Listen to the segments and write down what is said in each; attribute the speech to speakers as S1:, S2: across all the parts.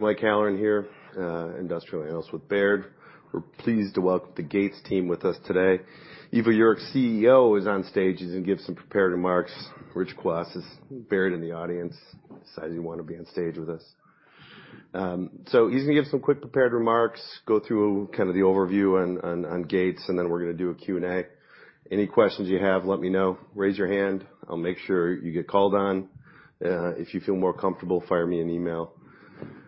S1: Michael Halloran here, Industrial Analyst with Baird. We're pleased to welcome the Gates team with us today. Ivo Jurek, CEO, is on stage. He's gonna give some prepared remarks. Rich Kwas is buried in the audience. Decides he didn't wanna be on stage with us. So he's gonna give some quick prepared remarks, go through kind of the overview on Gates, and then we're gonna do a Q&A. Any questions you have, let me know. Raise your hand, I'll make sure you get called on. If you feel more comfortable, fire me an email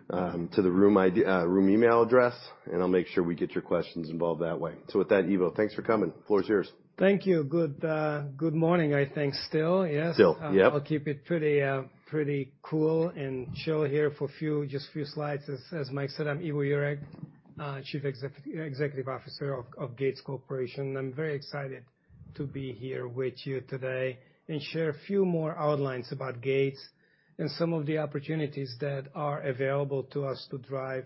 S1: to the room ID, room email address, and I'll make sure we get your questions involved that way. So with that, Ivo, thanks for coming. The floor is yours.
S2: Thank you. Good, good morning, I think still, yes?
S1: Still, yep.
S2: I'll keep it pretty cool and chill here for a few, just a few slides. As Mike said, I'm Ivo Jurek, Chief Executive Officer of Gates Corporation. I'm very excited to be here with you today and share a few more outlines about Gates and some of the opportunities that are available to us to drive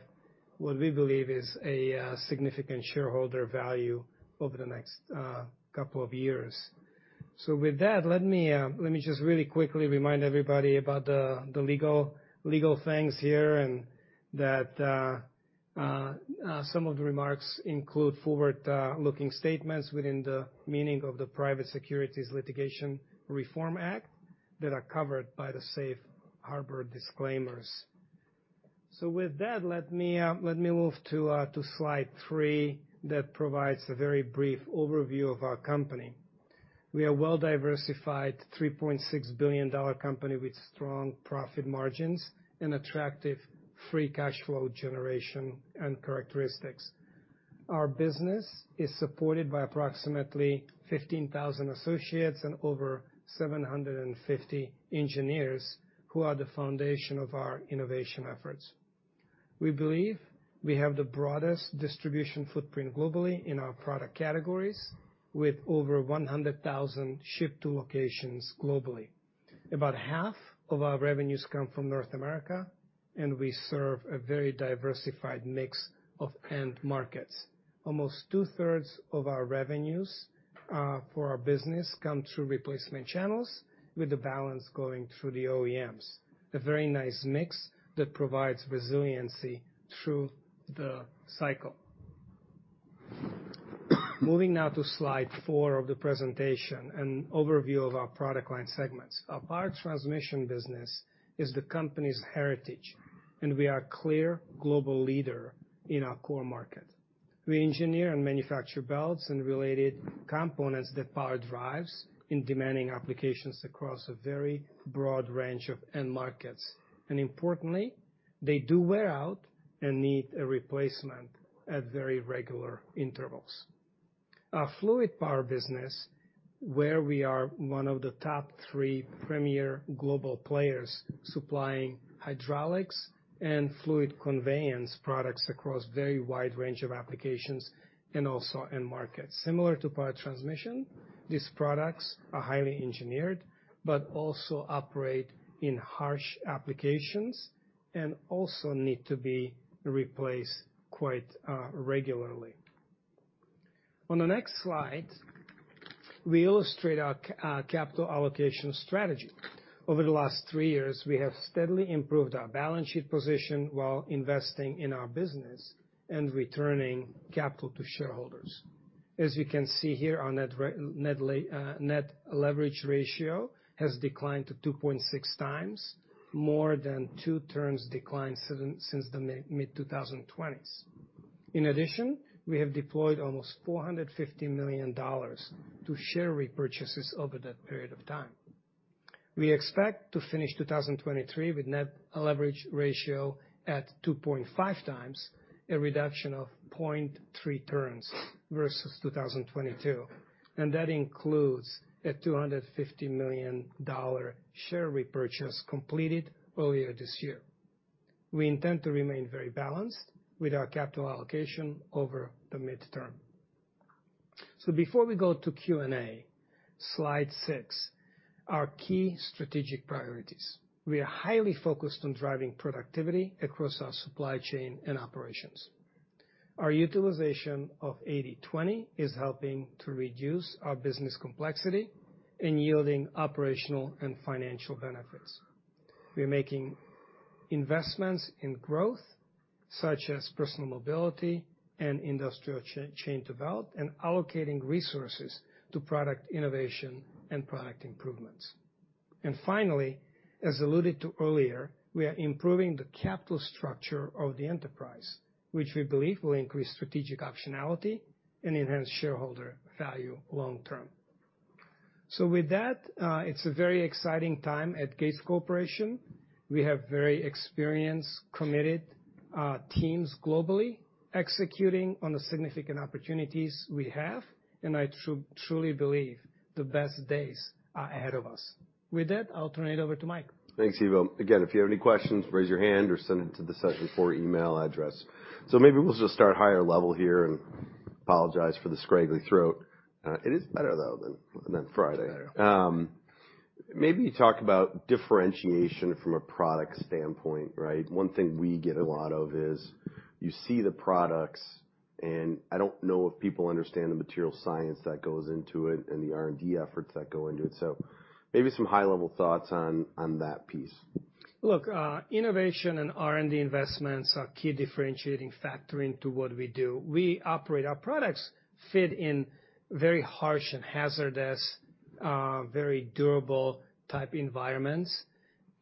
S2: what we believe is a significant shareholder value over the next couple of years. So with that, let me just really quickly remind everybody about the legal things here, and that some of the remarks include forward-looking statements within the meaning of the Private Securities Litigation Reform Act, that are covered by the Safe Harbor disclaimers. So with that, let me, let me move to, to slide 3, that provides a very brief overview of our company. We are a well-diversified, $3.6 billion company with strong profit margins and attractive free cash flow generation and characteristics. Our business is supported by approximately 15,000 associates and over 750 engineers, who are the foundation of our innovation efforts. We believe we have the broadest distribution footprint globally in our product categories, with over 100,000 ship-to locations globally. About half of our revenues come from North America, and we serve a very diversified mix of end markets. Almost two-thirds of our revenues, for our business come through replacement channels, with the balance going through the OEMs. A very nice mix that provides resiliency through the cycle. Moving now to slide 4 of the presentation, an overview of our product line segments. Our Power Transmission business is the company's heritage, and we are a clear global leader in our core market. We engineer and manufacture belts and related components that power drives in demanding applications across a very broad range of end markets. And importantly, they do wear out and need a replacement at very regular intervals. Our Fluid Power business, where we are one of the top three premier global players, supplying hydraulics and fluid conveyance products across a very wide range of applications and also end markets. Similar to Power Transmission, these products are highly engineered, but also operate in harsh applications and also need to be replaced quite regularly. On the next slide, we illustrate our capital allocation strategy. Over the last three years, we have steadily improved our balance sheet position while investing in our business and returning capital to shareholders. As you can see here, our net leverage ratio has declined to 2.6x, more than two turns decline since the mid-2020s. In addition, we have deployed almost $450 million to share repurchases over that period of time. We expect to finish 2023 with net leverage ratio at 2.5x, a reduction of 0.3 turns versus 2022, and that includes a $250 million share repurchase completed earlier this year. We intend to remain very balanced with our capital allocation over the midterm. So before we go to Q&A, slide 6, our key strategic priorities. We are highly focused on driving productivity across our supply chain and operations. Our utilization of 80/20 is helping to reduce our business complexity and yielding operational and financial benefits. We are making investments in growth, such as personal mobility and industrial chain development, and allocating resources to product innovation and product improvements. And finally, as alluded to earlier, we are improving the capital structure of the enterprise, which we believe will increase strategic optionality and enhance shareholder value long term. So with that, it's a very exciting time at Gates Corporation. We have very experienced, committed teams globally, executing on the significant opportunities we have, and I truly believe the best days are ahead of us. With that, I'll turn it over to Mike.
S1: Thanks, Ivo. Again, if you have any questions, raise your hand or send it to the session four email address. Maybe we'll just start higher level here and apologize for the scraggly throat. It is better, though, than Friday.
S2: It's better.
S1: Maybe talk about differentiation from a product standpoint, right? One thing we get a lot of is, you see the products and I don't know if people understand the material science that goes into it and the R&D efforts that go into it. So maybe some high-level thoughts on that piece.
S2: Look, innovation and R&D investments are key differentiating factor into what we do. We operate, our products fit in very harsh and hazardous, very durable type environments,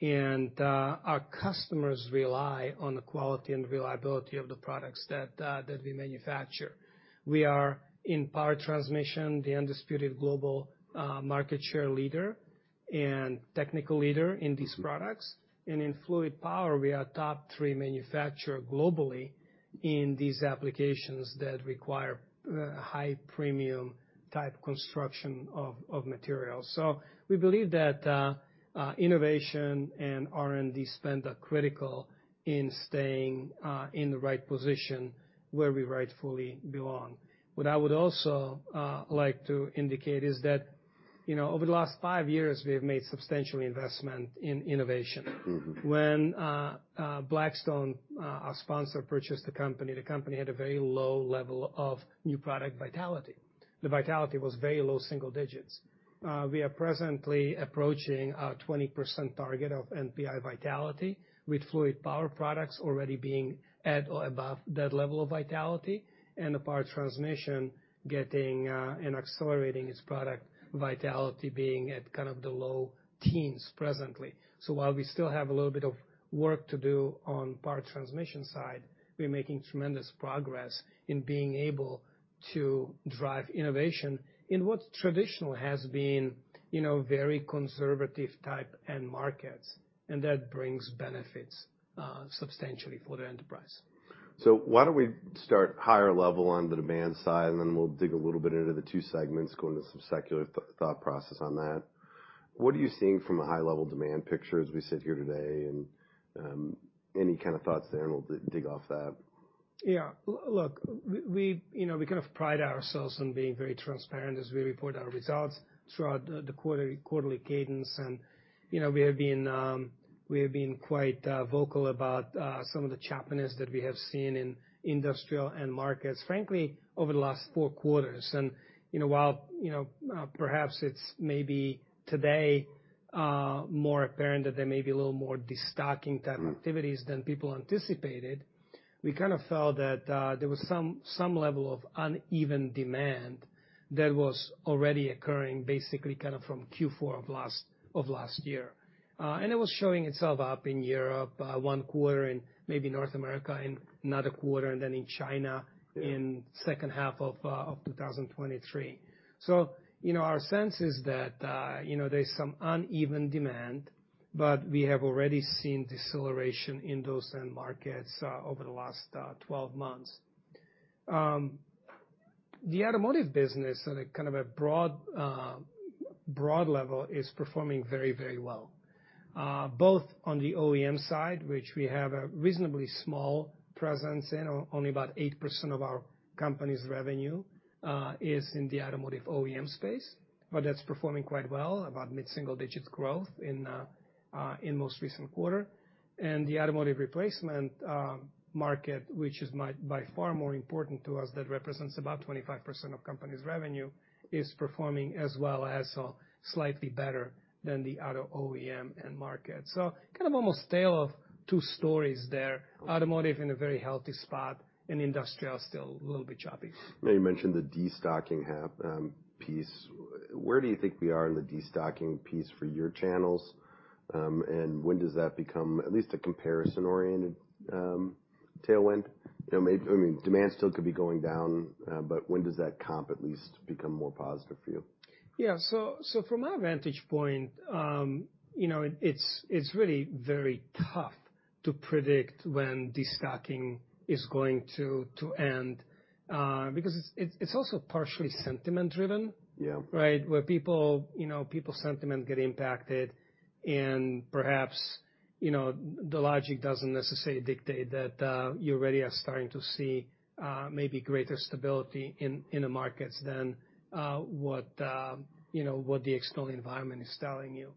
S2: and our customers rely on the quality and reliability of the products that we manufacture. We are, in Power Transmission, the undisputed global market share leader and technical leader in these products. And in Fluid Power, we are top three manufacturer globally in these applications that require high premium type construction of materials. So we believe that innovation and R&D spend are critical in staying in the right position where we rightfully belong. What I would also like to indicate is that, you know, over the last five years, we have made substantial investment in innovation.
S1: Mm-hmm.
S2: When, Blackstone, our sponsor, purchased the company, the company had a very low level of new product vitality. The vitality was very low, single digits. We are presently approaching a 20% target of NPI vitality, with Fluid Power products already being at or above that level of vitality, and the Power Transmission getting, and accelerating its product vitality being at kind of the low teens presently. So while we still have a little bit of work to do on Power Transmission side, we're making tremendous progress in being able to drive innovation in what traditionally has been, you know, very conservative type end markets, and that brings benefits, substantially for the enterprise.
S1: So why don't we start high-level on the demand side, and then we'll dig a little bit into the two segments, go into some secular thought process on that. What are you seeing from a high-level demand picture as we sit here today, and any kind of thoughts there, and we'll dig off that?
S2: Yeah. Look, we you know we kind of pride ourselves on being very transparent as we report our results throughout the quarterly cadence, and, you know, we have been quite vocal about some of the choppiness that we have seen in industrial end markets, frankly, over the last four quarters. And, you know, perhaps it's maybe today more apparent that there may be a little more destocking type activities than people anticipated, we kind of felt that there was some level of uneven demand that was already occurring, basically kind of from Q4 of last year. And it was showing itself up in Europe one quarter in maybe North America, in another quarter, and then in China in second half of 2023. So, you know, our sense is that, you know, there's some uneven demand, but we have already seen deceleration in those end markets over the last 12 months. The automotive business, at a kind of a broad, broad level, is performing very, very well, both on the OEM side, which we have a reasonably small presence in. Only about 8% of our company's revenue is in the automotive OEM space, but that's performing quite well, about mid-single-digit growth in, in most recent quarter. And the automotive replacement market, which is by far more important to us, that represents about 25% of company's revenue, is performing as well as, or slightly better than the auto OEM end market. So kind of almost tale of two stories there. Automotive in a very healthy spot, and industrial, still a little bit choppy.
S1: Now, you mentioned the destocking headwind piece. Where do you think we are in the destocking piece for your channels, and when does that become at least a comparison-oriented tailwind? You know, I mean, demand still could be going down, but when does that comp at least become more positive for you?
S2: Yeah. So from my vantage point, you know, it's really very tough to predict when destocking is going to end, because it's also partially sentiment driven.
S1: Yeah.
S2: Right? Where people, you know, people's sentiment get impacted and perhaps, you know, the logic doesn't necessarily dictate that you already are starting to see maybe greater stability in the markets than what the external environment is telling you.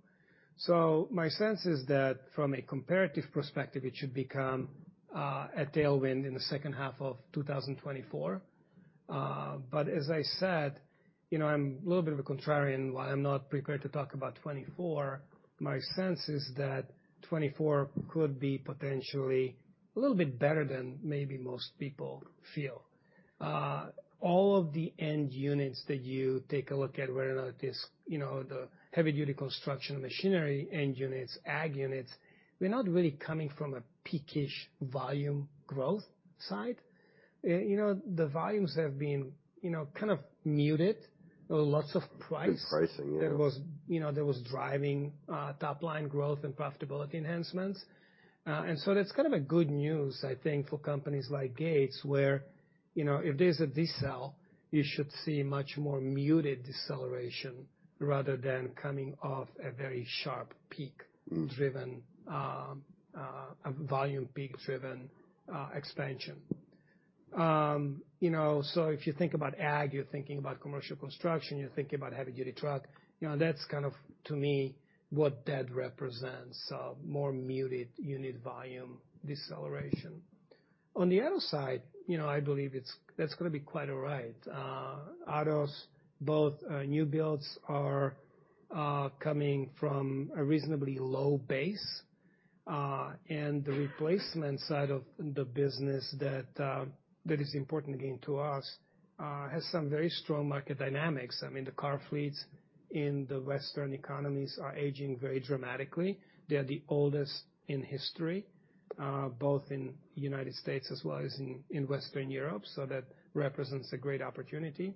S2: So my sense is that from a comparative perspective, it should become a tailwind in the second half of 2024. But as I said, you know, I'm a little bit of a contrarian. While I'm not prepared to talk about 2024, my sense is that 2024 could be potentially a little bit better than maybe most people feel. All of the end units that you take a look at, whether or not it's, you know, the heavy-duty construction machinery end units, ag units, we're not really coming from a peak-ish volume growth side. You know, the volumes have been, you know, kind of muted. There were lots of price-
S1: Good pricing, yeah.
S2: that was, you know, that was driving top-line growth and profitability enhancements. And so that's kind of a good news, I think, for companies like Gates, where, you know, if there's a decell, you should see much more muted deceleration rather than coming off a very sharp peak-
S1: Mm.
S2: - driven, volume peak-driven, expansion. You know, so if you think about ag, you're thinking about commercial construction, you're thinking about heavy-duty truck, you know, that's kind of, to me, what that represents, a more muted unit volume deceleration.... On the other side, you know, I believe it's-- that's gonna be quite all right. Autos, both, new builds are, coming from a reasonably low base, and the replacement side of the business that, that is important, again, to us, has some very strong market dynamics. I mean, the car fleets in the Western economies are aging very dramatically. They are the oldest in history, both in United States as well as in, in Western Europe, so that represents a great opportunity.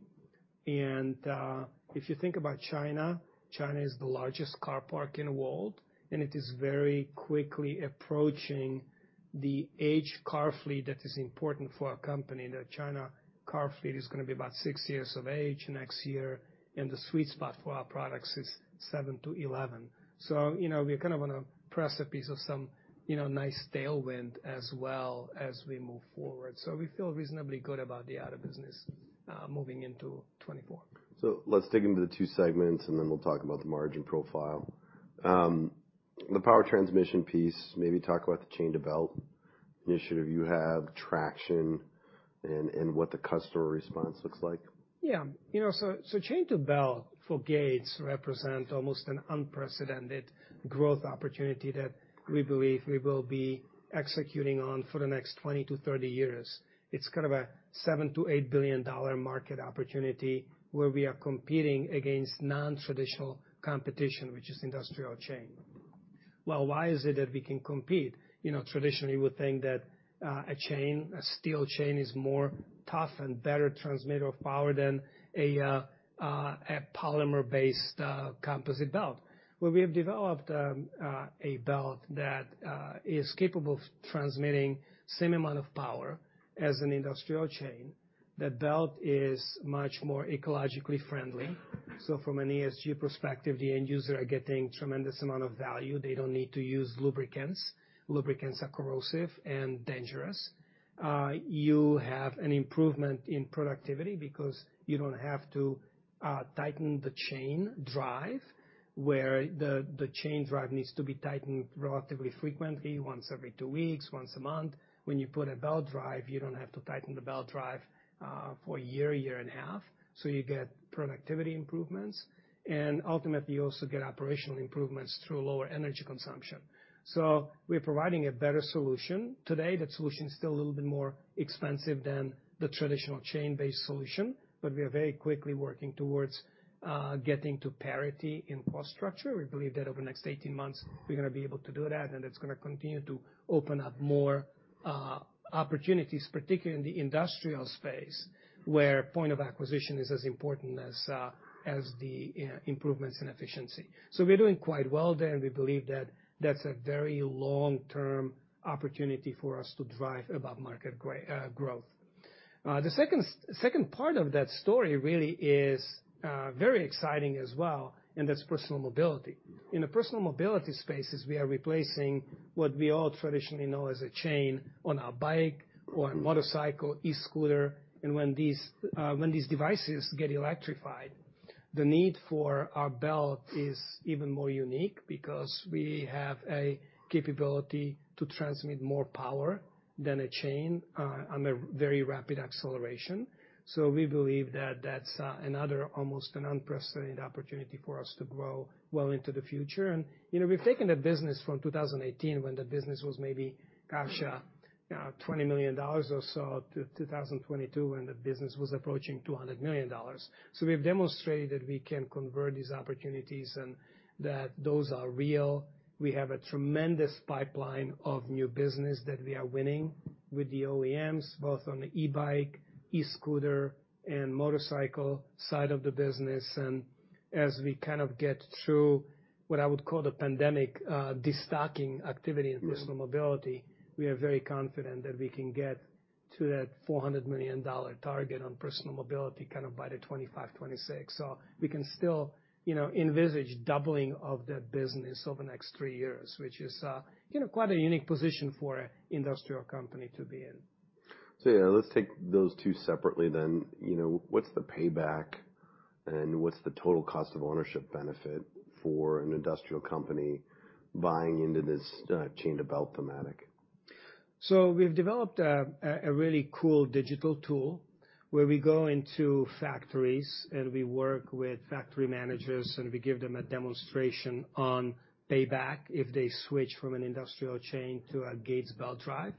S2: If you think about China, China is the largest car park in the world, and it is very quickly approaching the age car fleet that is important for our company. The China car fleet is gonna be about 6 years of age next year, and the sweet spot for our products is 7-11. So, you know, we kind of wanna press a piece of some, you know, nice tailwind as well as we move forward. So we feel reasonably good about the auto business, moving into 2024.
S1: So let's dig into the two segments, and then we'll talk about the margin profile. The Power Transmission piece, maybe talk about the Chain-to-Belt initiative you have, traction, and what the customer response looks like.
S2: Yeah. You know, so, so Chain-to-Belt for Gates represent almost an unprecedented growth opportunity that we believe we will be executing on for the next 20-30 years. It's kind of a $7-$8 billion market opportunity, where we are competing against nontraditional competition, which is industrial chain. Well, why is it that we can compete? You know, traditionally, you would think that a chain, a steel chain, is more tough and better transmitter of power than a polymer-based composite belt. Well, we have developed a belt that is capable of transmitting same amount of power as an industrial chain. That belt is much more ecologically friendly. So from an ESG perspective, the end user are getting tremendous amount of value. They don't need to use lubricants. Lubricants are corrosive and dangerous. You have an improvement in productivity because you don't have to tighten the chain drive, where the chain drive needs to be tightened relatively frequently, once every two weeks, once a month. When you put a belt drive, you don't have to tighten the belt drive for a year, year and a half, so you get productivity improvements, and ultimately, you also get operational improvements through lower energy consumption. So we're providing a better solution. Today, that solution is still a little bit more expensive than the traditional chain-based solution, but we are very quickly working towards getting to parity in cost structure. We believe that over the next 18 months, we're gonna be able to do that, and it's gonna continue to open up more opportunities, particularly in the industrial space, where point of acquisition is as important as the improvements in efficiency. So we're doing quite well there, and we believe that that's a very long-term opportunity for us to drive above market growth. The second part of that story really is very exciting as well, and that's personal mobility. In the personal mobility spaces, we are replacing what we all traditionally know as a chain on a bike or a motorcycle, e-scooter. And when these devices get electrified, the need for our belt is even more unique because we have a capability to transmit more power than a chain on a very rapid acceleration. So we believe that that's another, almost an unprecedented opportunity for us to grow well into the future. And, you know, we've taken the business from 2018, when the business was maybe, gosh, $20 million or so, to 2022, when the business was approaching $200 million. So we've demonstrated that we can convert these opportunities and that those are real. We have a tremendous pipeline of new business that we are winning with the OEMs, both on the e-bike, e-scooter, and motorcycle side of the business. And as we kind of get through what I would call the pandemic destocking activity in personal mobility, we are very confident that we can get to that $400 million target on personal mobility kind of by the 2025, 2026. So we can still, you know, envisage doubling of that business over the next three years, which is, you know, quite a unique position for an industrial company to be in.
S1: So yeah, let's take those two separately then. You know, what's the payback, and what's the total cost of ownership benefit for an industrial company buying into this Chain-to-Belt thematic?
S2: So we've developed a really cool digital tool where we go into factories, and we work with factory managers, and we give them a demonstration on payback if they switch from an industrial chain to a Gates belt drive.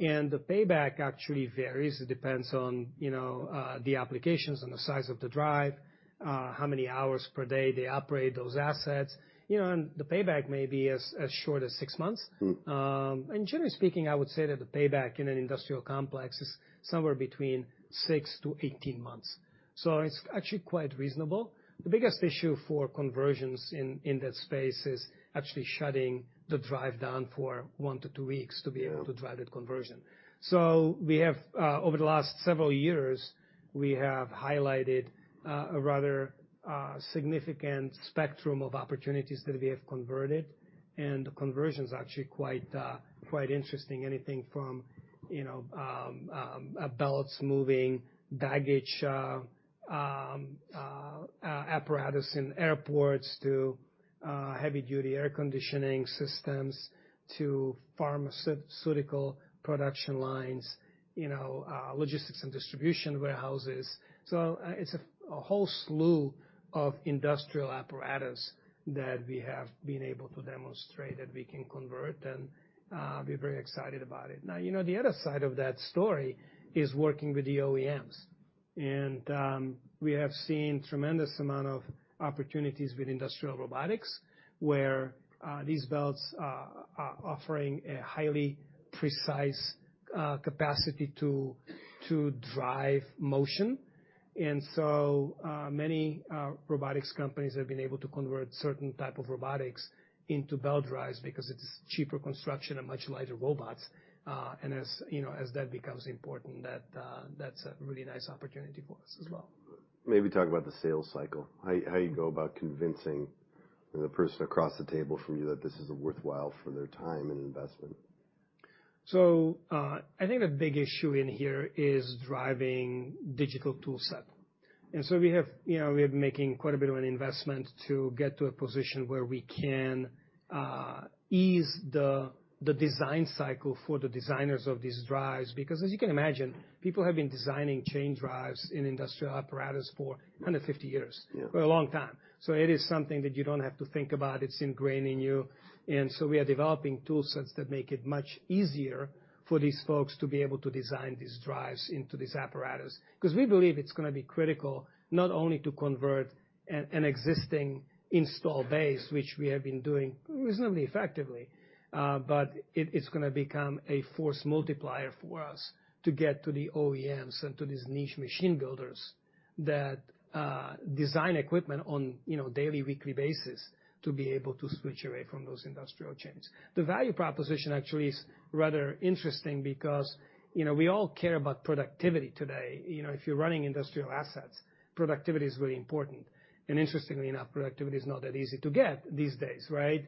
S2: And the payback actually varies. It depends on, you know, the applications and the size of the drive, how many hours per day they operate those assets. You know, and the payback may be as short as six months.
S1: Mm.
S2: And generally speaking, I would say that the payback in an industrial complex is somewhere between 6-18 months, so it's actually quite reasonable. The biggest issue for conversions in that space is actually shutting the drive down for 1-2 weeks-
S1: Yeah...
S2: to be able to drive that conversion. So we have, over the last several years, we have highlighted a rather significant spectrum of opportunities that we have converted, and the conversion's actually quite quite interesting. Anything from, you know, belts moving baggage apparatus in airports to heavy duty air conditioning systems to pharmaceutical production lines, you know, logistics and distribution warehouses. So it's a whole slew of industrial apparatus that we have been able to demonstrate that we can convert, and we're very excited about it. Now, you know, the other side of that story is working with the OEMs. And we have seen tremendous amount of opportunities with industrial robotics, where these belts are offering a highly precise capacity to drive motion. And so, many robotics companies have been able to convert certain type of robotics into belt drives because it's cheaper construction and much lighter robots. And as, you know, as that becomes important, that, that's a really nice opportunity for us as well.
S1: Maybe talk about the sales cycle. How you go about convincing the person across the table from you that this is worthwhile for their time and investment?
S2: So, I think the big issue in here is driving digital tool set. And so we have, you know, we are making quite a bit of an investment to get to a position where we can ease the design cycle for the designers of these drives, because as you can imagine, people have been designing chain drives in industrial apparatus for 150 years.
S1: Yeah.
S2: For a long time. So it is something that you don't have to think about. It's ingrained in you. And so we are developing tool sets that make it much easier for these folks to be able to design these drives into these apparatus. 'Cause we believe it's gonna be critical, not only to convert an existing install base, which we have been doing reasonably effectively, but it, it's gonna become a force multiplier for us to get to the OEMs and to these niche machine builders that design equipment on, you know, daily, weekly basis, to be able to switch away from those industrial chains. The value proposition actually is rather interesting because, you know, we all care about productivity today. You know, if you're running industrial assets, productivity is really important, and interestingly enough, productivity is not that easy to get these days, right?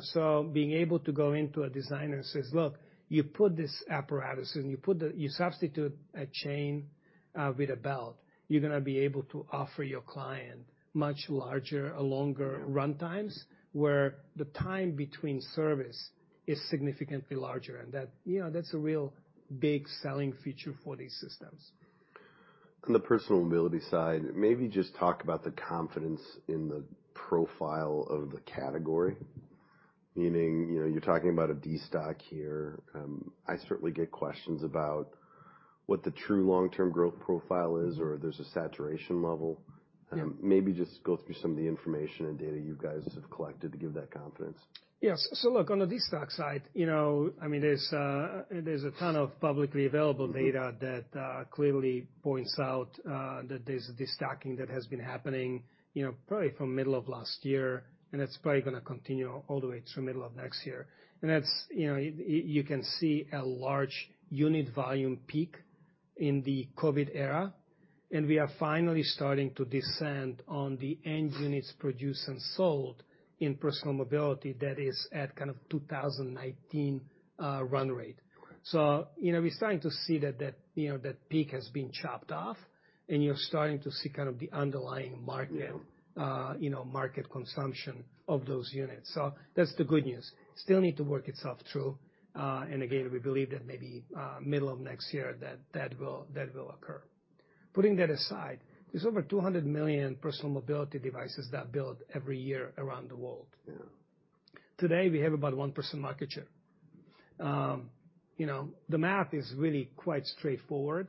S2: So being able to go into a designer and says, "Look, you put this apparatus in, you substitute a chain with a belt, you're gonna be able to offer your client much larger or longer runtimes," where the time between service is significantly larger. And that, you know, that's a real big selling feature for these systems.
S1: On the personal mobility side, maybe just talk about the confidence in the profile of the category. Meaning, you know, you're talking about a destock here. I certainly get questions about what the true long-term growth profile is or there's a saturation level.
S2: Yeah.
S1: Maybe just go through some of the information and data you guys have collected to give that confidence.
S2: Yes. So look, on the destock side, you know, I mean, there's a ton of publicly available data-
S1: Mm-hmm...
S2: that clearly points out that there's this destocking that has been happening, you know, probably from middle of last year, and it's probably gonna continue all the way through middle of next year. And that's, you know, you can see a large unit volume peak in the COVID era, and we are finally starting to descend on the end units produced and sold in personal mobility that is at kind of 2019 run rate.
S1: Right.
S2: So, you know, we're starting to see that you know, that peak has been chopped off, and you're starting to see kind of the underlying market-
S1: Yeah ...
S2: you know, market consumption of those units. So that's the good news. Still need to work itself through, and again, we believe that maybe middle of next year, that, that will, that will occur. Putting that aside, there's over 200 million personal mobility devices that build every year around the world.
S1: Yeah.
S2: Today, we have about 1% market share. You know, the math is really quite straightforward.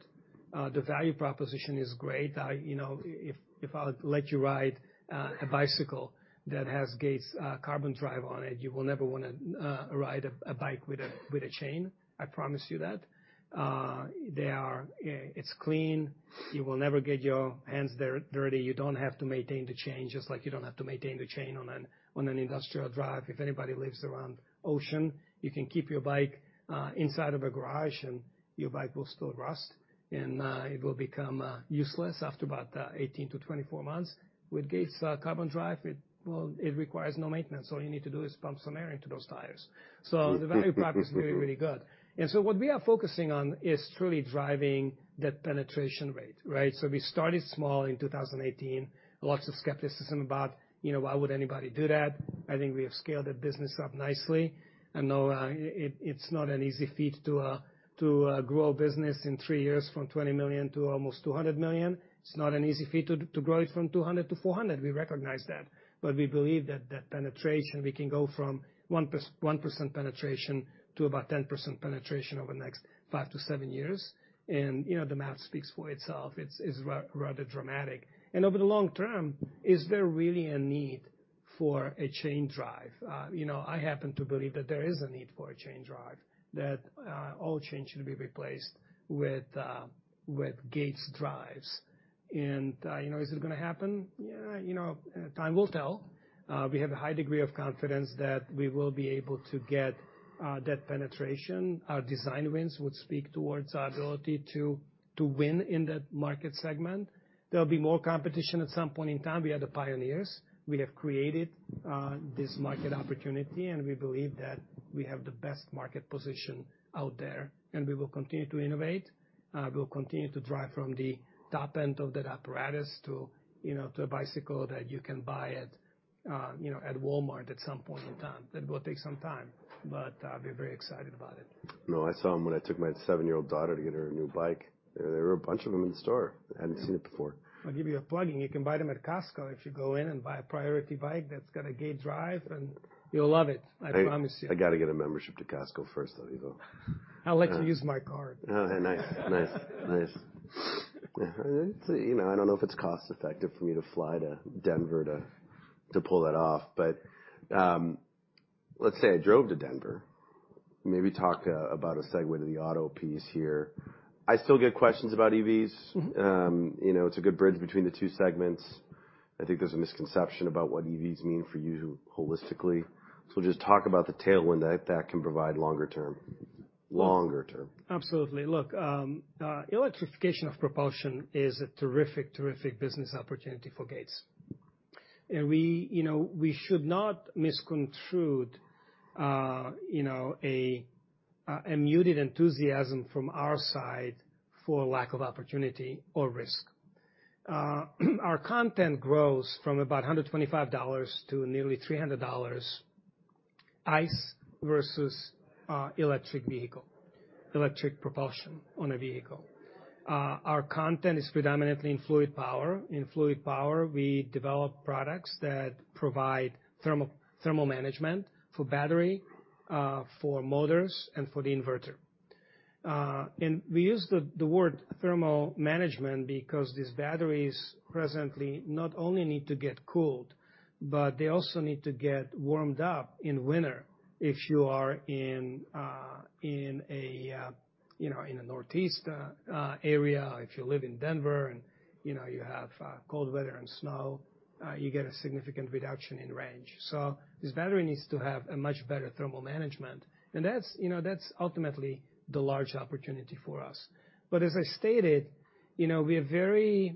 S2: The value proposition is great. You know, if I'll let you ride a bicycle that has Gates Carbon Drive on it, you will never wanna ride a bike with a chain, I promise you that. They are. It's clean. You will never get your hands dirty. You don't have to maintain the chain, just like you don't have to maintain the chain on an industrial drive. If anybody lives around ocean, you can keep your bike inside of a garage, and your bike will still rust, and it will become useless after about 18-24 months. With Gates Carbon Drive, well, it requires no maintenance. All you need to do is pump some air into those tires. So the value prop is really, really good. And so what we are focusing on is truly driving that penetration rate, right? So we started small in 2018. Lots of skepticism about, you know, why would anybody do that? I think we have scaled that business up nicely, and it, it's not an easy feat to grow a business in three years from $20 million to almost $200 million. It's not an easy feat to grow it from $200 million to $400 million. We recognize that, but we believe that penetration, we can go from 1% penetration to about 10% penetration over the next 5-7 years. And, you know, the math speaks for itself. It's rather dramatic. And over the long term, is there really a need for a chain drive? You know, I happen to believe that there is a need for a chain drive, that all chains should be replaced with Gates drives. And you know, is it gonna happen? Yeah, you know, time will tell. We have a high degree of confidence that we will be able to get that penetration. Our design wins would speak towards our ability to win in that market segment. There'll be more competition at some point in time. We are the pioneers. We have created this market opportunity, and we believe that-... We have the best market position out there, and we will continue to innovate, we'll continue to drive from the top end of that apparatus to, you know, to a bicycle that you can buy at, you know, at Walmart at some point in time. That will take some time, but, we're very excited about it.
S1: No, I saw them when I took my seven-year-old daughter to get her a new bike. There were a bunch of them in the store. I hadn't seen it before.
S2: I'll give you a plug-in. You can buy them at Costco if you go in and buy a Priority bike that's got a Gates drive, and you'll love it, I promise you.
S1: I gotta get a membership to Costco first, though, Ivo.
S2: I'll let you use my card.
S1: Oh, hey, nice. Nice, nice. Yeah. You know, I don't know if it's cost-effective for me to fly to Denver to pull that off, but let's say I drove to Denver. Maybe talk about a segue to the auto piece here. I still get questions about EVs.
S2: Mm-hmm.
S1: You know, it's a good bridge between the two segments. I think there's a misconception about what EVs mean for you holistically. So just talk about the tailwind that that can provide longer term. Longer term.
S2: Absolutely. Look, electrification of propulsion is a terrific, terrific business opportunity for Gates. We, you know, we should not misconstrue a muted enthusiasm from our side for lack of opportunity or risk. Our content grows from about $125 to nearly $300, ICE versus electric vehicle, electric propulsion on a vehicle. Our content is predominantly in fluid power. In fluid power, we develop products that provide thermal, thermal management for battery, for motors and for the inverter. And we use the, the word thermal management because these batteries presently not only need to get cooled, but they also need to get warmed up in winter. If you are in a Northeast area, if you live in Denver and, you know, you have cold weather and snow, you get a significant reduction in range. So this battery needs to have a much better thermal management, and that's, you know, that's ultimately the large opportunity for us. But as I stated, you know, we are very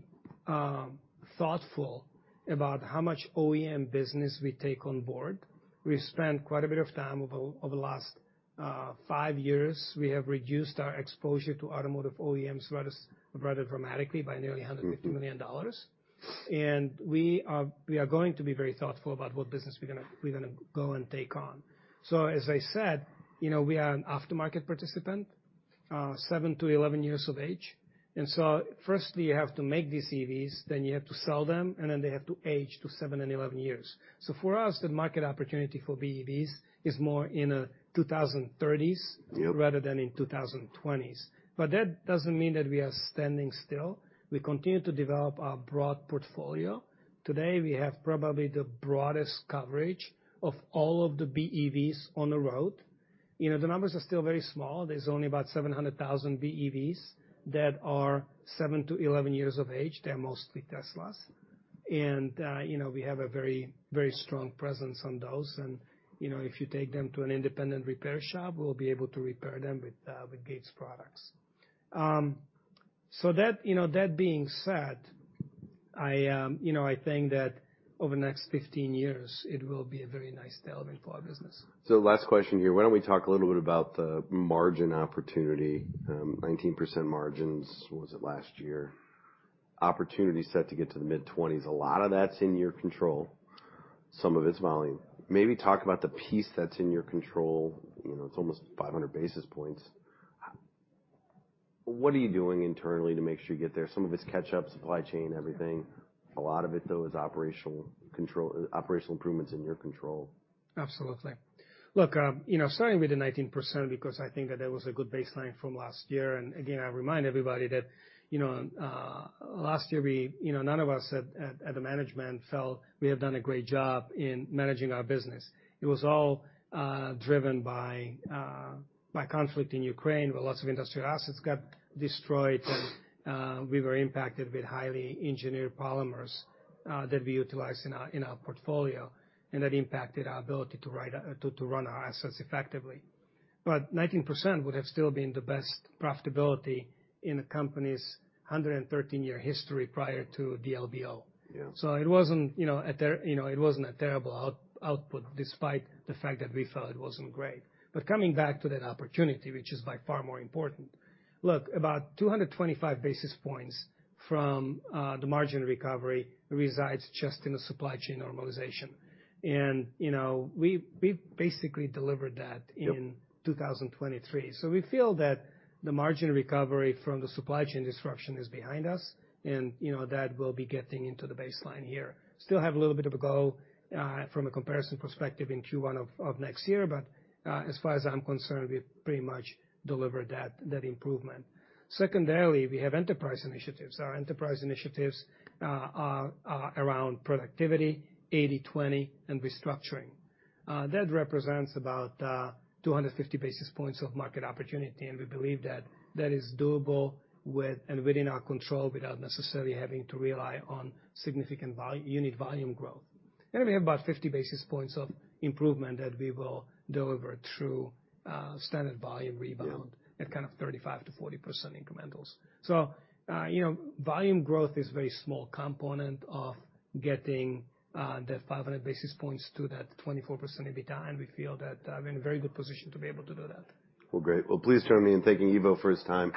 S2: thoughtful about how much OEM business we take on board. We've spent quite a bit of time over the last five years. We have reduced our exposure to automotive OEMs rather dramatically by nearly $150 million. And we are going to be very thoughtful about what business we're gonna go and take on. So as I said, you know, we are an aftermarket participant, 7-11 years of age, and so firstly, you have to make these EVs, then you have to sell them, and then they have to age to 7 and 11 years. So for us, the market opportunity for BEVs is more in, 2030s-
S1: Yep.
S2: Rather than in the 2020s. But that doesn't mean that we are standing still. We continue to develop our broad portfolio. Today, we have probably the broadest coverage of all of the BEVs on the road. You know, the numbers are still very small. There's only about 700,000 BEVs that are 7-11 years of age. They're mostly Teslas. And, you know, we have a very, very strong presence on those, and, you know, if you take them to an independent repair shop, we'll be able to repair them with, with Gates products. So that, you know, that being said, I, you know, I think that over the next 15 years, it will be a very nice tailwind for our business.
S1: So last question here. Why don't we talk a little bit about the margin opportunity? 19% margins, was it last year? Opportunity set to get to the mid-20s%. A lot of that's in your control. Some of it's volume. Maybe talk about the piece that's in your control. You know, it's almost 500 basis points. What are you doing internally to make sure you get there? Some of it's catch-up, supply chain, everything. A lot of it, though, is operational control, operational improvements in your control.
S2: Absolutely. Look, you know, starting with the 19%, because I think that was a good baseline from last year, and again, I remind everybody that, you know, last year, we, you know, none of us at the management felt we have done a great job in managing our business. It was all driven by conflict in Ukraine, where lots of industrial assets got destroyed, and we were impacted with highly engineered polymers that we utilize in our portfolio, and that impacted our ability to ride to run our assets effectively. But 19% would have still been the best profitability in a company's 113-year history prior to the LBO.
S1: Yeah.
S2: So it wasn't, you know, a terrible output, despite the fact that we felt it wasn't great. But coming back to that opportunity, which is by far more important, look, about 225 basis points from the margin recovery resides just in the supply chain normalization. And, you know, we, we basically delivered that-
S1: Yep.
S2: - in 2023. So we feel that the margin recovery from the supply chain disruption is behind us, and, you know, that will be getting into the baseline year. Still have a little bit of a go from a comparison perspective in Q1 of next year, but as far as I'm concerned, we've pretty much delivered that improvement. Secondarily, we have enterprise initiatives. Our enterprise initiatives are around productivity, 80/20, and restructuring. That represents about 250 basis points of market opportunity, and we believe that that is doable with, and within our control, without necessarily having to rely on significant unit volume growth. And we have about 50 basis points of improvement that we will deliver through standard volume rebound-
S1: Yeah...
S2: at kind of 35%-40% incrementals. So, you know, volume growth is a very small component of getting the 500 basis points to that 24% EBITDA, and we feel that I'm in a very good position to be able to do that.
S1: Well, great. Well, please join me in thanking Ivo for his time.